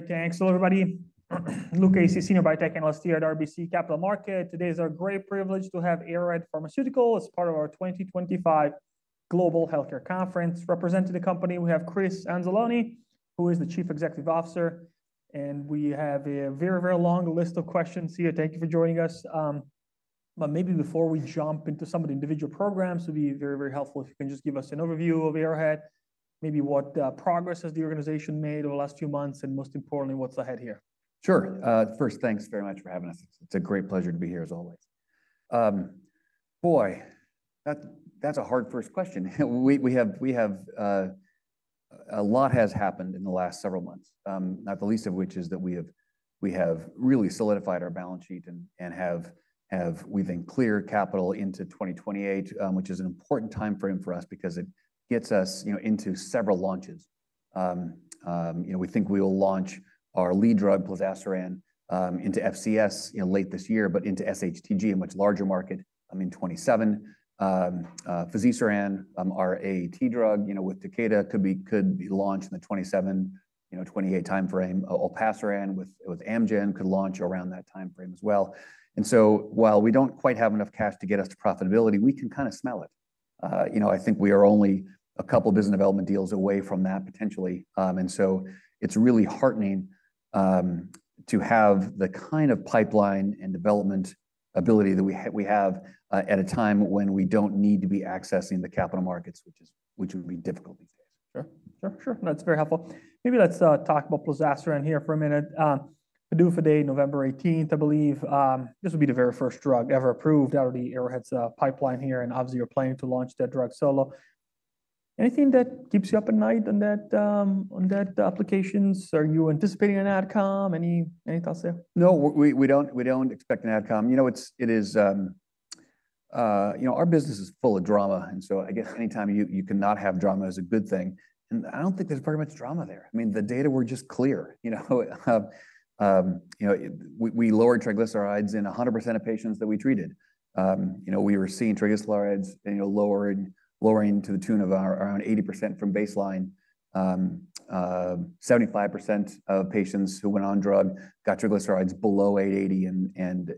Great. Thanks. Hello, everybody. Luca Issi Senior Biotech Analyst here at RBC Capital Markets. Today is our great privilege to have Arrowhead Pharmaceuticals as part of our 2025 Global Healthcare Conference. Representing the company, we have Chris Anzalone, who is the Chief Executive Officer, and we have a very, very long list of questions here. Thank you for joining us. Maybe before we jump into some of the individual programs, it would be very, very helpful if you can just give us an overview of Arrowhead, maybe what progress has the organization made over the last few months, and most importantly, what's ahead here. Sure. First, thanks very much for having us. It's a great pleasure to be here, as always. Boy, that's a hard first question. We have a lot that has happened in the last several months, not the least of which is that we have really solidified our balance sheet and have weaved in clear capital into 2028, which is an important time frame for us because it gets us into several launches. We think we will launch our lead drug, Plozasiran, into FCS late this year, but into SHTG, a much larger market, in 2027. ARO-AAT, our AAT drug with Takeda, could be launched in the 2027-2028 time frame. Alpaceran with Amgen could launch around that time frame as well. While we do not quite have enough cash to get us to profitability, we can kind of smell it. I think we are only a couple of business development deals away from that, potentially. It is really heartening to have the kind of pipeline and development ability that we have at a time when we do not need to be accessing the capital markets, which would be difficult these days. Sure. No, that's very helpful. Maybe let's talk about Plozasiran here for a minute. Adufide, November 18th, I believe. This will be the very first drug ever approved out of Arrowhead's pipeline here, and obviously, you're planning to launch that drug solo. Anything that keeps you up at night on that application? Are you anticipating an adcom? Any thoughts there? No, we don't expect an adcom. Our business is full of drama, and I guess anytime you cannot have drama is a good thing. I don't think there's very much drama there. I mean, the data were just clear. We lowered triglycerides in 100% of patients that we treated. We were seeing triglycerides lowering to the tune of around 80% from baseline. 75% of patients who went on drug got triglycerides below 80, and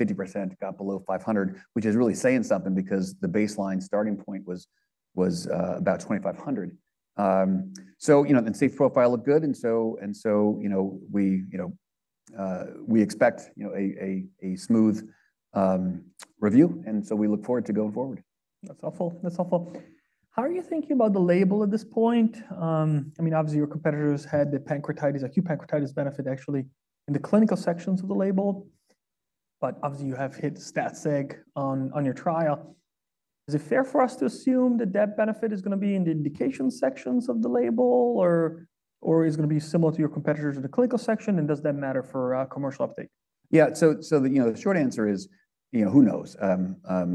50% got below 500, which is really saying something because the baseline starting point was about 2,500. The safe profile looked good, and we expect a smooth review, and we look forward to going forward. That's helpful. That's helpful. How are you thinking about the label at this point? I mean, obviously, your competitors had the acute pancreatitis benefit, actually, in the clinical sections of the label, but obviously, you have hit StatSeg on your trial. Is it fair for us to assume that that benefit is going to be in the indication sections of the label, or is it going to be similar to your competitors in the clinical section, and does that matter for commercial uptake? Yeah. So the short answer is, who knows?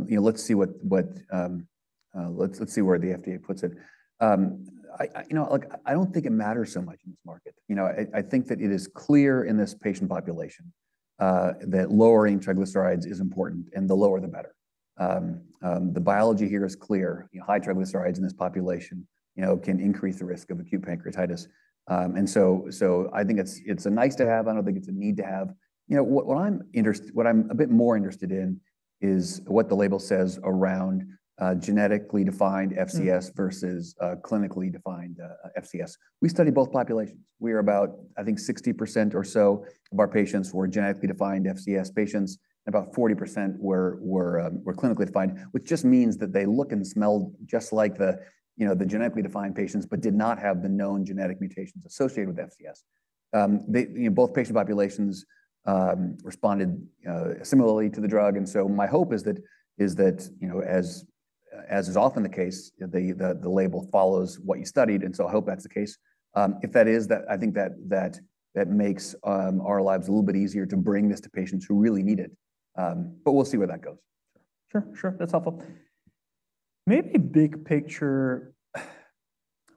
Let's see where the FDA puts it. I don't think it matters so much in this market. I think that it is clear in this patient population that lowering triglycerides is important, and the lower, the better. The biology here is clear. High triglycerides in this population can increase the risk of acute pancreatitis. I think it's a nice to have. I don't think it's a need to have. What I'm a bit more interested in is what the label says around genetically defined FCS versus clinically defined FCS. We study both populations. We are about, I think, 60% or so of our patients were genetically defined FCS patients, and about 40% were clinically defined, which just means that they look and smell just like the genetically defined patients but did not have the known genetic mutations associated with FCS. Both patient populations responded similarly to the drug, and so my hope is that, as is often the case, the label follows what you studied, and so I hope that's the case. If that is, I think that makes our lives a little bit easier to bring this to patients who really need it, but we'll see where that goes. Sure. That's helpful. Maybe big picture, I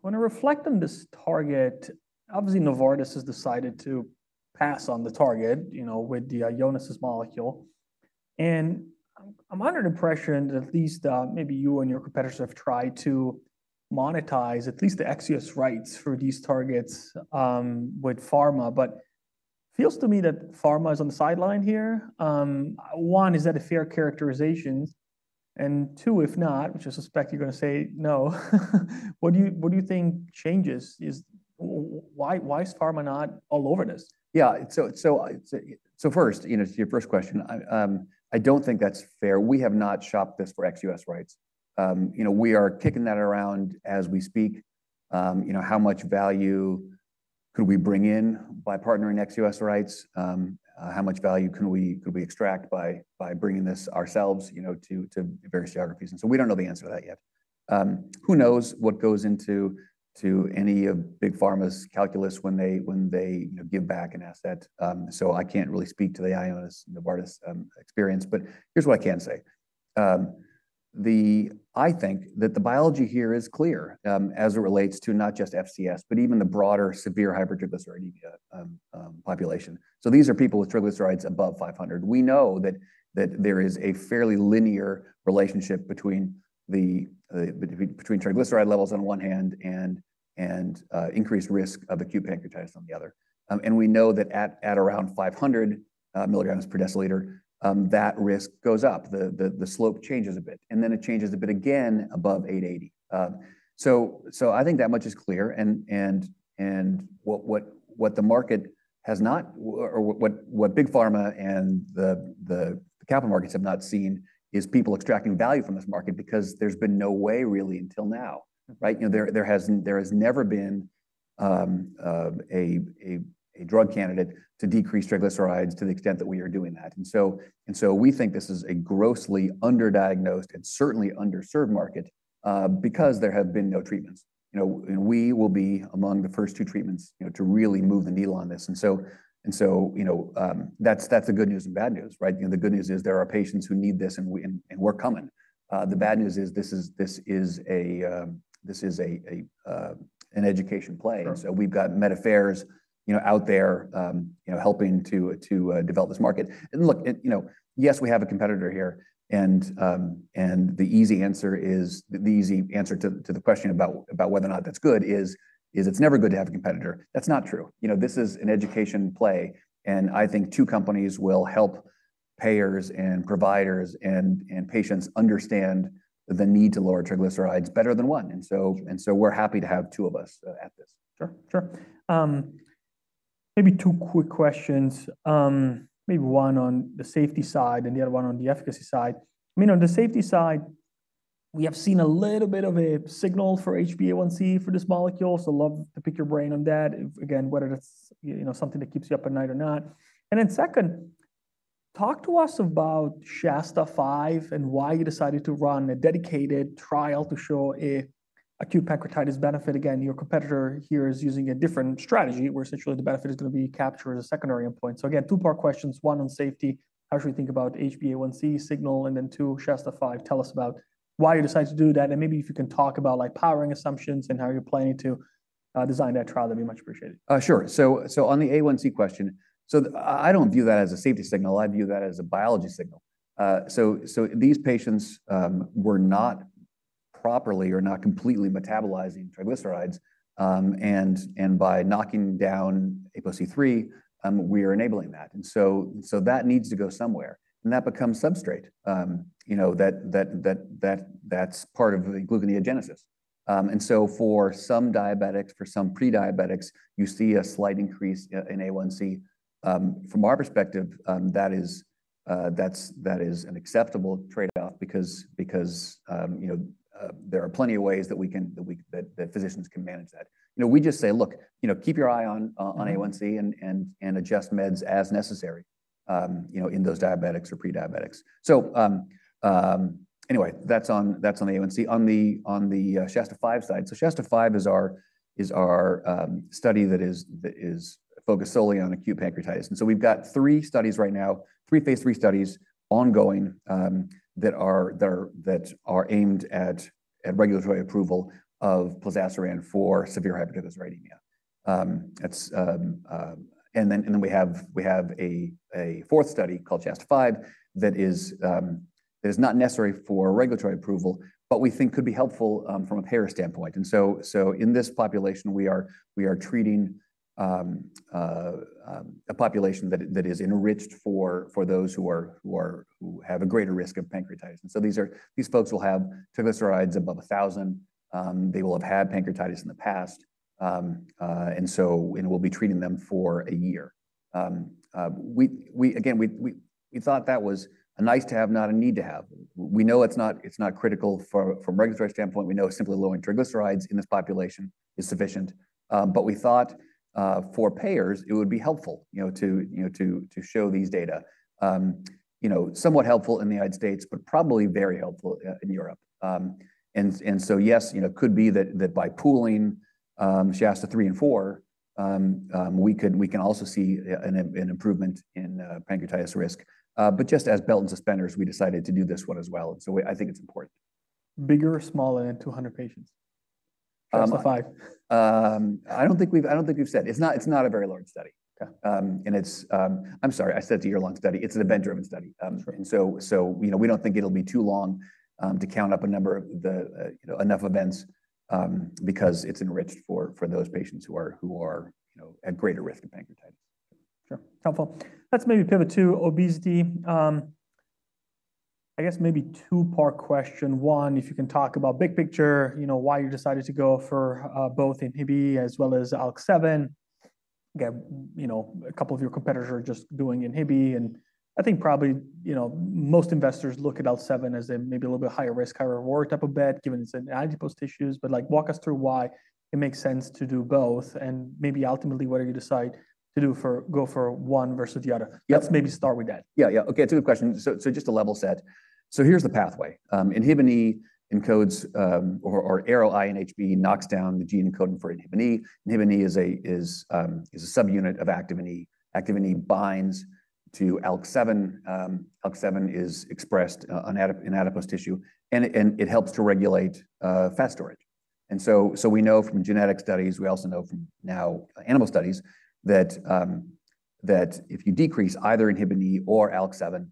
want to reflect on this target. Obviously, Novartis has decided to pass on the target with the Ionis molecule. I'm under the impression that at least maybe you and your competitors have tried to monetize at least the excess rights for these targets with pharma, but it feels to me that pharma is on the sideline here. One, is that a fair characterization? Two, if not, which I suspect you're going to say no, what do you think changes? Why is pharma not all over this? Yeah. First, to your first question, I don't think that's fair. We have not shopped this for excess rights. We are kicking that around as we speak. How much value could we bring in by partnering excess rights? How much value could we extract by bringing this ourselves to various geographies? We don't know the answer to that yet. Who knows what goes into any of big pharma's calculus when they give back an asset? I can't really speak to the Ionis Novartis experience, but here's what I can say. I think that the biology here is clear as it relates to not just FCS, but even the broader severe hypertriglyceridemia population. These are people with triglycerides above 500. We know that there is a fairly linear relationship between triglyceride levels on one hand and increased risk of acute pancreatitis on the other. We know that at around 500 milligrams per deciliter, that risk goes up. The slope changes a bit, and then it changes a bit again above 880. I think that much is clear, and what the market has not, or what big pharma and the capital markets have not seen, is people extracting value from this market because there has been no way, really, until now. There has never been a drug candidate to decrease triglycerides to the extent that we are doing that. We think this is a grossly underdiagnosed and certainly underserved market because there have been no treatments. We will be among the first two treatments to really move the needle on this. That is the good news and bad news. The good news is there are patients who need this, and we're coming. The bad news is this is an education play. We have MedAfares out there helping to develop this market. Look, yes, we have a competitor here, and the easy answer to the question about whether or not that's good is it's never good to have a competitor. That's not true. This is an education play, and I think two companies will help payers and providers and patients understand the need to lower triglycerides better than one. We're happy to have two of us at this. Sure. Maybe two quick questions. Maybe one on the safety side and the other one on the efficacy side. I mean, on the safety side, we have seen a little bit of a signal for HbA1c for this molecule, so love to pick your brain on that, again, whether that's something that keeps you up at night or not. Then second, talk to us about SHASTA 5 and why you decided to run a dedicated trial to show an acute pancreatitis benefit. Again, your competitor here is using a different strategy where essentially the benefit is going to be captured as a secondary endpoint. Again, two-part questions. One on safety, how should we think about HbA1c signal, and then two, SHASTA-5, tell us about why you decided to do that, and maybe if you can talk about powering assumptions and how you're planning to design that trial, that'd be much appreciated. Sure. On the A1c question, I do not view that as a safety signal. I view that as a biology signal. These patients were not properly or not completely metabolizing triglycerides, and by knocking down ApoC3, we are enabling that. That needs to go somewhere, and that becomes substrate. That is part of gluconeogenesis. For some diabetics, for some pre-diabetics, you see a slight increase in A1c. From our perspective, that is an acceptable trade-off because there are plenty of ways that physicians can manage that. We just say, look, keep your eye on A1c and adjust meds as necessary in those diabetics or pre-diabetics. That is on the A1c. On the SHASTA-5 side, SHASTA-5 is our study that is focused solely on acute pancreatitis. We have three studies right now, three phase three studies ongoing that are aimed at regulatory approval of Plozasiran for severe hypertriglyceridemia. We have a fourth study called SHASTA-5 that is not necessary for regulatory approval, but we think could be helpful from a payer standpoint. In this population, we are treating a population that is enriched for those who have a greater risk of pancreatitis. These folks will have triglycerides above 1,000. They will have had pancreatitis in the past, and we will be treating them for a year. Again, we thought that was a nice to have, not a need to have. We know it is not critical from a regulatory standpoint. We know simply lowering triglycerides in this population is sufficient, but we thought for payers, it would be helpful to show these data. Somewhat helpful in the United States, but probably very helpful in Europe. Yes, it could be that by pooling SHASTA-3 and 4, we can also see an improvement in pancreatitis risk. Just as belt and suspenders, we decided to do this one as well. I think it's important. Bigger, smaller, and 200 patients, SHASTA-5? I don't think we've said. It's not a very large study. I'm sorry, I said it's a year-long study. It's an event-driven study. We don't think it'll be too long to count up enough events because it's enriched for those patients who are at greater risk of pancreatitis. Sure. That's helpful. Let's maybe pivot to obesity. I guess maybe two-part question. One, if you can talk about big picture, why you decided to go for both INHBE as well as ALK7. A couple of your competitors are just doing INHBE, and I think probably most investors look at ALK7 as maybe a little bit higher risk, higher reward type of bet, given its antiphosphate issues. Walk us through why it makes sense to do both, and maybe ultimately whether you decide to go for one versus the other. Let's maybe start with that. Yeah. Yeah. Okay. It's a good question. Just to level set, here's the pathway. INHBE encodes, or ARO-INHBE knocks down the gene encoding for INHBE. INHBE is a subunit of activin. Activin binds to ALK7. ALK7 is expressed in adipose tissue, and it helps to regulate fat storage. We know from genetic studies, we also know from now animal studies, that if you decrease either INHBE or ALK7,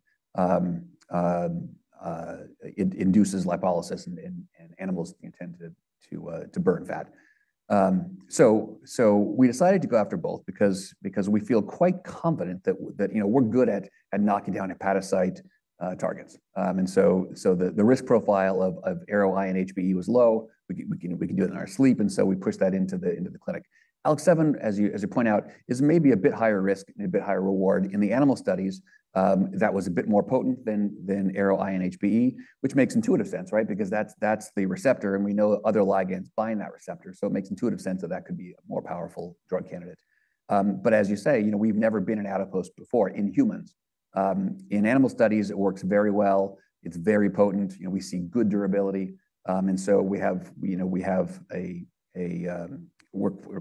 it induces lipolysis, and animals tend to burn fat. We decided to go after both because we feel quite confident that we're good at knocking down hepatocyte targets. The risk profile of ARO-INHBE was low. We can do it in our sleep, and we pushed that into the clinic. ALK7, as you point out, is maybe a bit higher risk and a bit higher reward. In the animal studies, that was a bit more potent than ARO-INHBE, which makes intuitive sense, right? Because that's the receptor, and we know other ligands bind that receptor. It makes intuitive sense that that could be a more powerful drug candidate. As you say, we've never been in adipose before in humans. In animal studies, it works very well. It's very potent. We see good durability. We are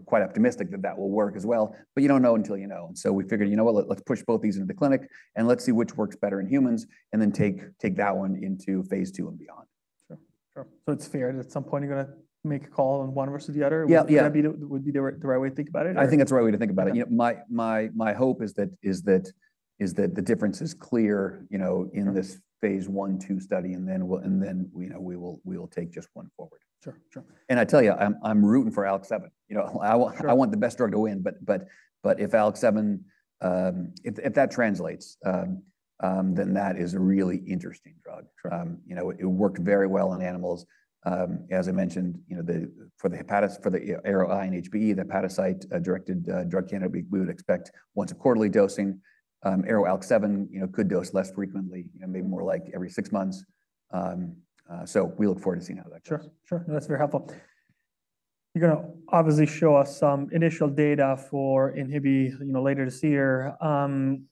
quite optimistic that that will work as well, but you don't know until you know. We figured, you know what? Let's push both these into the clinic, and let's see which works better in humans, and then take that one into phase two and beyond. Sure. Sure. So it's fair that at some point you're going to make a call on one versus the other? Would be the right way to think about it? I think that's the right way to think about it. My hope is that the difference is clear in this phase one, two study, and then we'll take just one forward. Sure. Sure. I tell you, I'm rooting for ALK7. I want the best drug to win, but if ALK7, if that translates, then that is a really interesting drug. It worked very well on animals. As I mentioned, for the ARO-INHBE, the hepatocyte-directed drug candidate, we would expect once a quarterly dosing. ARO-ALK7 could dose less frequently, maybe more like every six months. We look forward to seeing how that goes. Sure. Sure. That's very helpful. You're going to obviously show us some initial data for INHBE later this year. When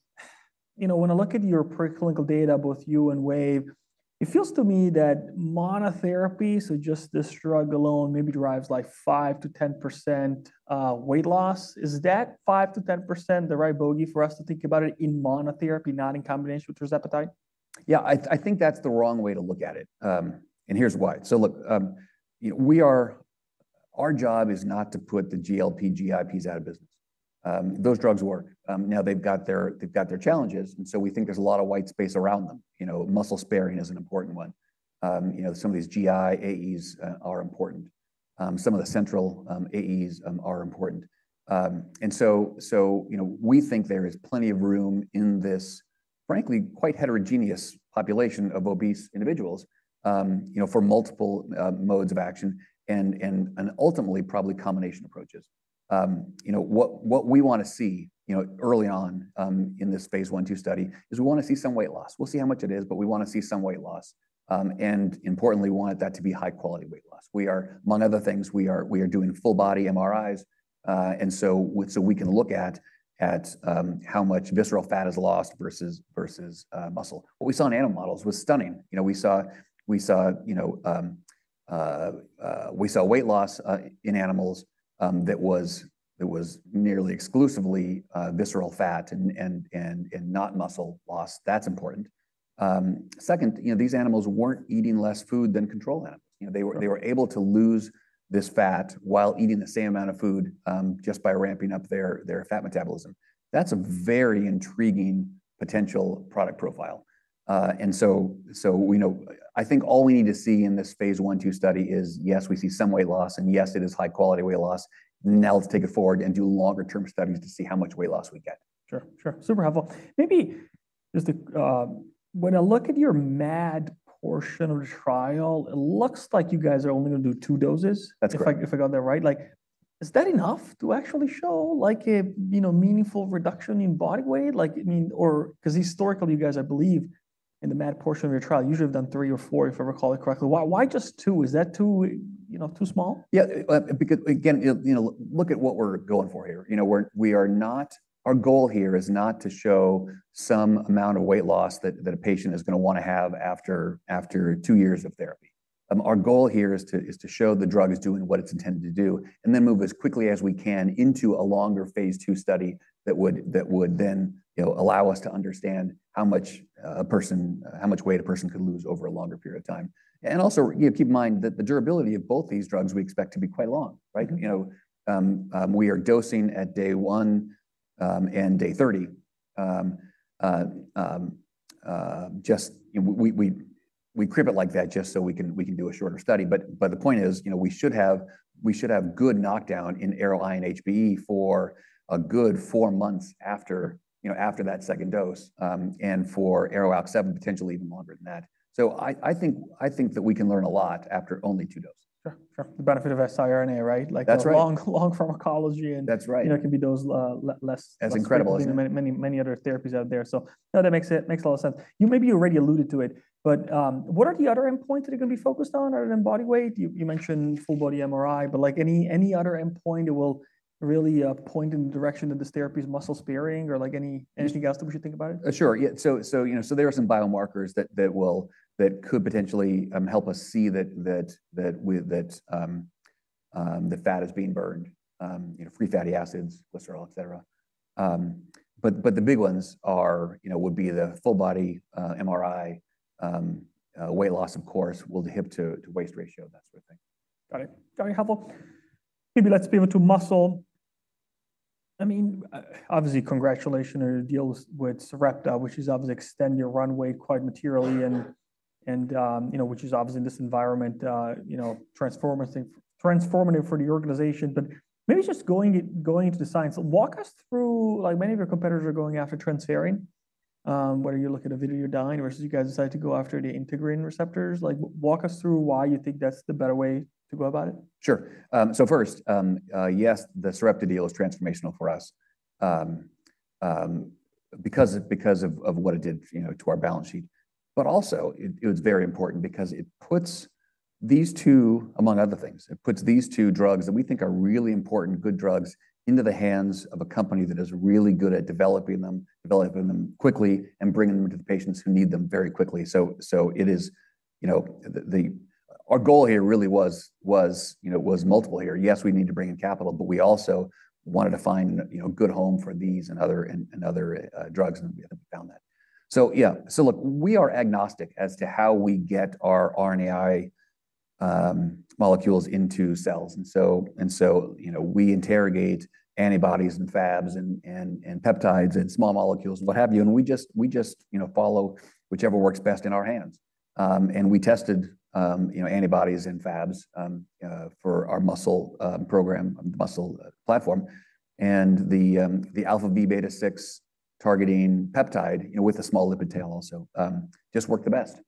I look at your preclinical data, both you and Wave, it feels to me that monotherapy, so just this drug alone, maybe drives like 5-10% weight loss. Is that 5-10% the right bogey for us to think about it in monotherapy, not in combination with tirzepatide? Yeah. I think that's the wrong way to look at it, and here's why. Look, our job is not to put the GLP, GIPs out of business. Those drugs work. Now they've got their challenges, and we think there's a lot of white space around them. Muscle sparing is an important one. Some of these GI AEs are important. Some of the central AEs are important. We think there is plenty of room in this, frankly, quite heterogeneous population of obese individuals for multiple modes of action and ultimately probably combination approaches. What we want to see early on in this phase one, two study is we want to see some weight loss. We'll see how much it is, but we want to see some weight loss. Importantly, we want that to be high-quality weight loss. Among other things, we are doing full-body MRIs, and so we can look at how much visceral fat is lost versus muscle. What we saw in animal models was stunning. We saw weight loss in animals that was nearly exclusively visceral fat and not muscle loss. That's important. Second, these animals weren't eating less food than control animals. They were able to lose this fat while eating the same amount of food just by ramping up their fat metabolism. That's a very intriguing potential product profile. I think all we need to see in this phase one, two study is, yes, we see some weight loss, and yes, it is high-quality weight loss. Now let's take it forward and do longer-term studies to see how much weight loss we get. Sure. Sure. Super helpful. Maybe just when I look at your MAD portion of the trial, it looks like you guys are only going to do two doses. That's correct. If I got that right. Is that enough to actually show a meaningful reduction in body weight? Because historically, you guys, I believe, in the MAD portion of your trial, usually have done three or four, if I recall it correctly. Why just two? Is that two too small? Yeah. Again, look at what we're going for here. Our goal here is not to show some amount of weight loss that a patient is going to want to have after two years of therapy. Our goal here is to show the drug is doing what it's intended to do and then move as quickly as we can into a longer phase two study that would then allow us to understand how much weight a person could lose over a longer period of time. Also keep in mind that the durability of both these drugs we expect to be quite long, right? We are dosing at day one and day 30. We crimp it like that just so we can do a shorter study. The point is we should have good knockdown in ARO-INHBE for a good four months after that second dose and for ARO-ALK7 potentially even longer than that. I think that we can learn a lot after only two doses. Sure. Sure. The benefit of siRNA, right? That's right. Long-form ecology. That's right. It can be dosed less. That's incredible. are many, many other therapies out there. No, that makes a lot of sense. You maybe already alluded to it, but what are the other endpoints that are going to be focused on? Are they in body weight? You mentioned full-body MRI, but any other endpoint that will really point in the direction that this therapy is muscle sparing or anything else that we should think about? Sure. Yeah. So there are some biomarkers that could potentially help us see that the fat is being burned, free fatty acids, glycerol, etc. But the big ones would be the full-body MRI, weight loss, of course, will the hip-to-waist ratio, that sort of thing. Got it. Got it. Helpful. Maybe let's pivot to muscle. I mean, obviously, congratulations on your deal with Sarepta, which has obviously extended your runway quite materially, which is obviously in this environment transformative for the organization. Maybe just going into the science, walk us through, many of your competitors are going after transferrin, whether you're looking at Vidyodan versus you guys decided to go after the integrin receptors. Walk us through why you think that's the better way to go about it. Sure. First, yes, the Sarepta deal is transformational for us because of what it did to our balance sheet. It was very important because it puts these two, among other things, it puts these two drugs that we think are really important good drugs into the hands of a company that is really good at developing them quickly and bringing them to the patients who need them very quickly. Our goal here really was multiple here. Yes, we need to bring in capital, but we also wanted to find a good home for these and other drugs, and we found that. Yeah. Look, we are agnostic as to how we get our RNAi molecules into cells. We interrogate antibodies and fabs and peptides and small molecules and what have you, and we just follow whichever works best in our hands. We tested antibodies and fabs for our muscle program, muscle platform. The alpha beta 6 targeting peptide with a small lipid tail also just worked the best.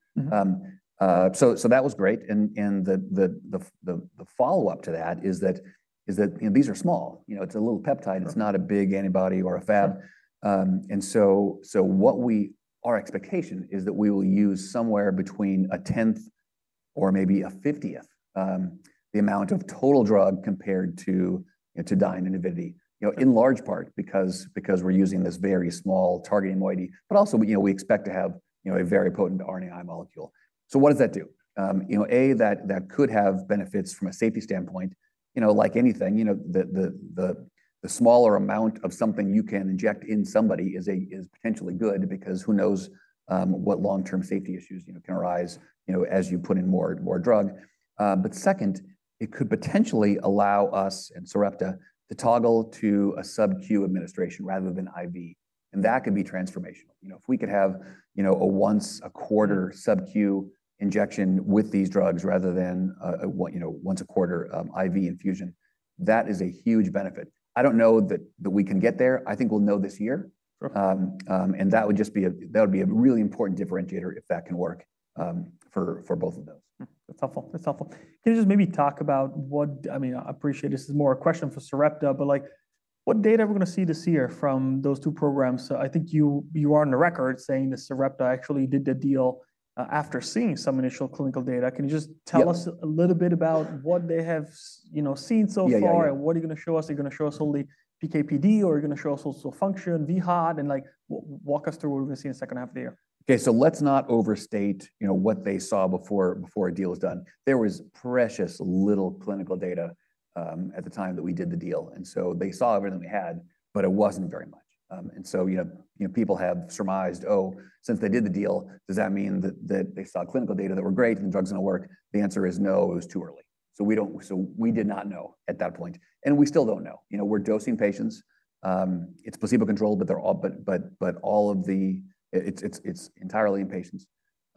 That was great. The follow-up to that is that these are small. It is a little peptide. It is not a big antibody or a fab. Our expectation is that we will use somewhere between a tenth or maybe a fiftieth the amount of total drug compared to Dine and Invitee, in large part because we are using this very small targeting moiety, but also we expect to have a very potent RNAi molecule. What does that do? A, that could have benefits from a safety standpoint. Like anything, the smaller amount of something you can inject in somebody is potentially good because who knows what long-term safety issues can arise as you put in more drug. Second, it could potentially allow us and Sarepta to toggle to a sub-Q administration rather than IV. That could be transformational. If we could have a once a quarter sub-Q injection with these drugs rather than once a quarter IV infusion, that is a huge benefit. I do not know that we can get there. I think we will know this year. That would just be a really important differentiator if that can work for both of those. That's helpful. That's helpful. Can you just maybe talk about what I mean, I appreciate this is more a question for Sarepta, but what data are we going to see this year from those two programs? I think you are on the record saying that Sarepta actually did the deal after seeing some initial clinical data. Can you just tell us a little bit about what they have seen so far? What are you going to show us? Are you going to show us only PKPD, or are you going to show us also function, VHAD, and walk us through what we're going to see in the second half of the year? Okay. Let's not overstate what they saw before a deal is done. There was precious little clinical data at the time that we did the deal. They saw everything we had, but it was not very much. People have surmised, oh, since they did the deal, does that mean that they saw clinical data that were great and the drug's going to work? The answer is no, it was too early. We did not know at that point. We still do not know. We are dosing patients. It is placebo controlled, but it is entirely in patients.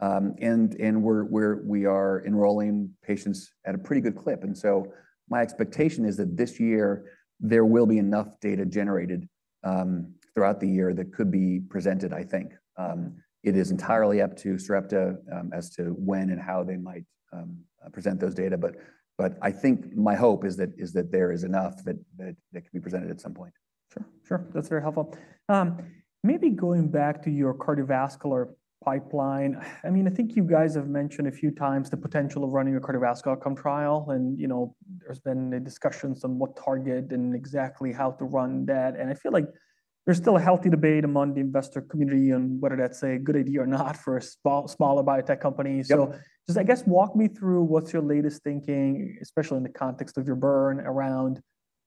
We are enrolling patients at a pretty good clip. My expectation is that this year, there will be enough data generated throughout the year that could be presented, I think. It is entirely up to Sarepta as to when and how they might present those data. I think my hope is that there is enough that can be presented at some point. Sure. That's very helpful. Maybe going back to your cardiovascular pipeline. I mean, I think you guys have mentioned a few times the potential of running a cardiovascular outcome trial, and there's been discussions on what target and exactly how to run that. I feel like there's still a healthy debate among the investor community on whether that's a good idea or not for a smaller biotech company. Just, I guess, walk me through what's your latest thinking, especially in the context of your burn around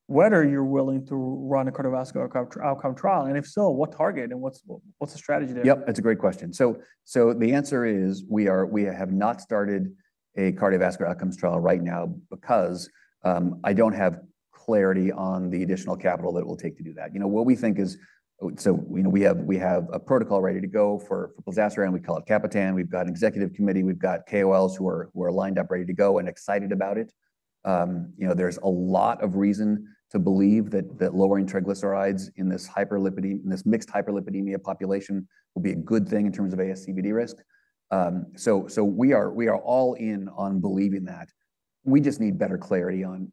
whether you're willing to run a cardiovascular outcome trial. If so, what target and what's the strategy there? Yep. That's a great question. The answer is we have not started a cardiovascular outcomes trial right now because I don't have clarity on the additional capital that it will take to do that. What we think is we have a protocol ready to go for Plozasiran. We call it Capitan. We've got an executive committee. We've got KOLs who are lined up, ready to go, and excited about it. There's a lot of reason to believe that lowering triglycerides in this mixed hyperlipidemia population will be a good thing in terms of ASCVD risk. We are all in on believing that. We just need better clarity on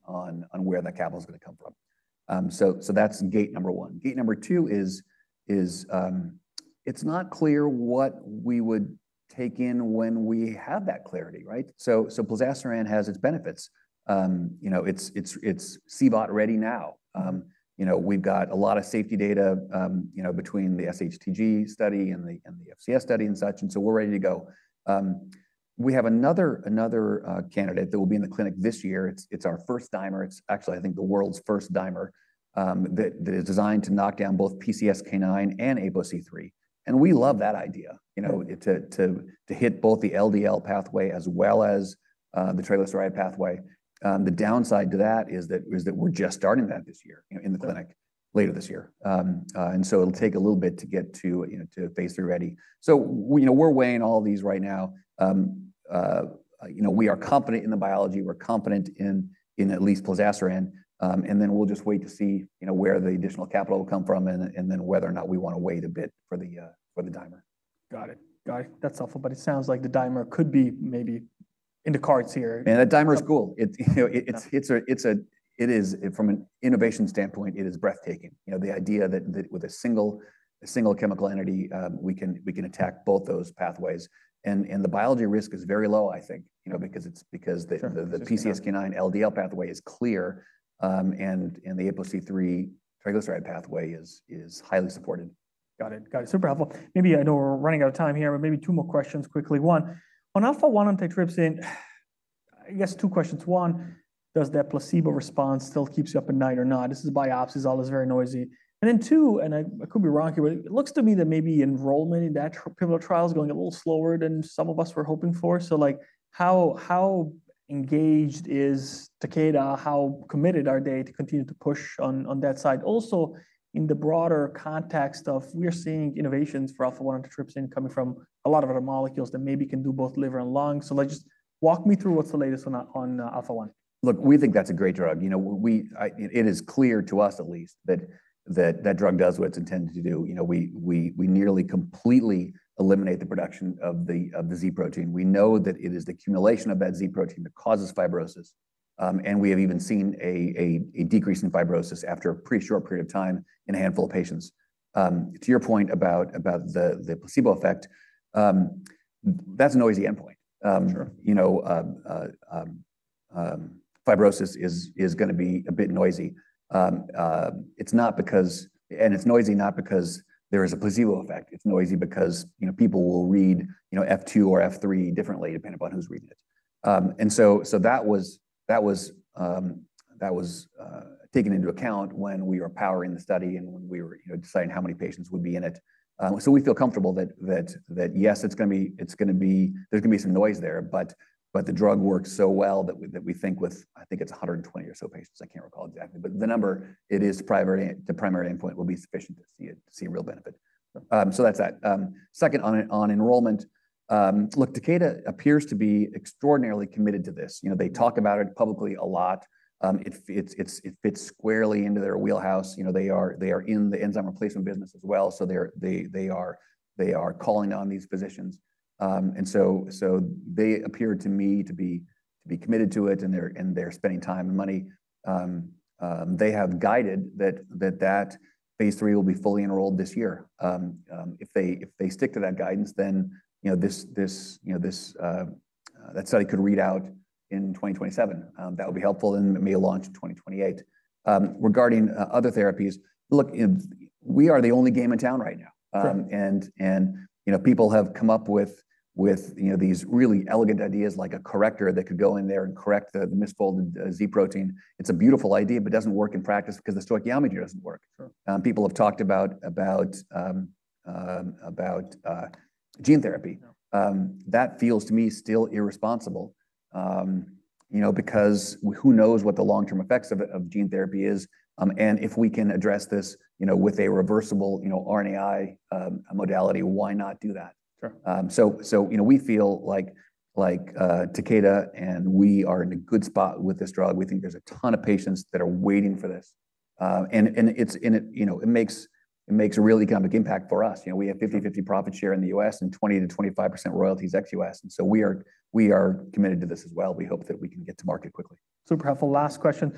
where that capital is going to come from. That's gate number one. Gate number two is it's not clear what we would take in when we have that clarity, right? Plozasiran has its benefits. It's CVOT ready now. We've got a lot of safety data between the SHTG study and the FCS study and such, and we're ready to go. We have another candidate that will be in the clinic this year. It's our first dimer. It's actually, I think, the world's first dimer that is designed to knock down both PCSK9 and ApoC3. We love that idea to hit both the LDL pathway as well as the triglyceride pathway. The downside to that is that we're just starting that this year in the clinic later this year. It will take a little bit to get to phase three ready. We're weighing all of these right now. We are confident in the biology. We're confident in at least Plozasiran. We'll just wait to see where the additional capital will come from and then whether or not we want to wait a bit for the dimer. Got it. Got it. That's helpful. It sounds like the dimer could be maybe in the cards here. Yeah. That dimer is cool. It is, from an innovation standpoint, it is breathtaking. The idea that with a single chemical entity, we can attack both those pathways. The biology risk is very low, I think, because the PCSK9 LDL pathway is clear and the ApoC3 triglyceride pathway is highly supported. Got it. Got it. Super helpful. Maybe I know we're running out of time here, but maybe two more questions quickly. One, on alpha-1 antitrypsin, I guess two questions. One, does that placebo response still keep you up at night or not? This is biopsies. All is very noisy. Then two, and I could be wrong here, but it looks to me that maybe enrollment in that pivotal trial is going a little slower than some of us were hoping for. How engaged is Takeda? How committed are they to continue to push on that side? Also, in the broader context of we're seeing innovations for alpha-1 antitrypsin coming from a lot of other molecules that maybe can do both liver and lungs. Just walk me through what's the latest on alpha-1. Look, we think that's a great drug. It is clear to us, at least, that that drug does what it's intended to do. We nearly completely eliminate the production of the Z protein. We know that it is the accumulation of that Z protein that causes fibrosis. We have even seen a decrease in fibrosis after a pretty short period of time in a handful of patients. To your point about the placebo effect, that's a noisy endpoint. Fibrosis is going to be a bit noisy. It's not because—and it's noisy not because there is a placebo effect. It's noisy because people will read F2 or F3 differently depending upon who's reading it. That was taken into account when we were powering the study and when we were deciding how many patients would be in it. We feel comfortable that, yes, it's going to be—there's going to be some noise there, but the drug works so well that we think with, I think it's 120 or so patients. I can't recall exactly. The number, it is the primary endpoint, will be sufficient to see a real benefit. That's that. Second, on enrollment, look, Takeda appears to be extraordinarily committed to this. They talk about it publicly a lot. It fits squarely into their wheelhouse. They are in the enzyme replacement business as well. They are calling on these physicians. They appear to me to be committed to it, and they're spending time and money. They have guided that that phase three will be fully enrolled this year. If they stick to that guidance, then that study could read out in 2027. That would be helpful, and it may launch in 2028. Regarding other therapies, look, we are the only game in town right now. People have come up with these really elegant ideas like a corrector that could go in there and correct the misfolded Z protein. It's a beautiful idea, but it doesn't work in practice because the stoichiometry doesn't work. People have talked about gene therapy. That feels to me still irresponsible because who knows what the long-term effects of gene therapy is. If we can address this with a reversible RNAi modality, why not do that? We feel like Takeda and we are in a good spot with this drug. We think there's a ton of patients that are waiting for this. It makes a really economic impact for us. We have 50/50 profit share in the U.S. and 20%-25% royalties ex U.S. We are committed to this as well. We hope that we can get to market quickly. Super helpful. Last question.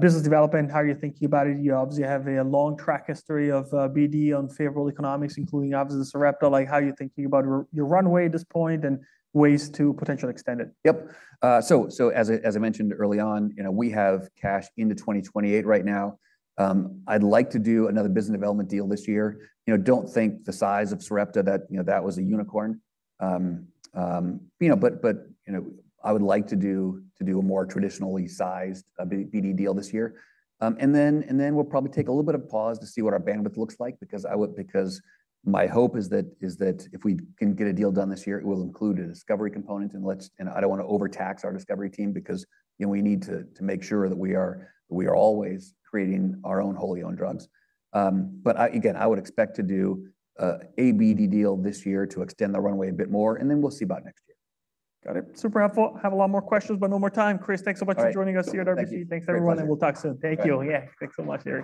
Business development, how are you thinking about it? You obviously have a long track history of BD on favorable economics, including obviously Sarepta. How are you thinking about your runway at this point and ways to potentially extend it? Yep. As I mentioned early on, we have cash into 2028 right now. I'd like to do another business development deal this year. I don't think the size of Sarepta, that was a unicorn. I would like to do a more traditionally sized BD deal this year. We will probably take a little bit of a pause to see what our bandwidth looks like because my hope is that if we can get a deal done this year, it will include a discovery component. I don't want to overtax our discovery team because we need to make sure that we are always creating our own wholly owned drugs. Again, I would expect to do a BD deal this year to extend the runway a bit more, and then we'll see about next year. Got it. Super helpful. Have a lot more questions, but no more time. Chris, thanks so much for joining us here at RBC. Thanks, everyone, and we'll talk soon. Thank you. Yeah, thanks so much.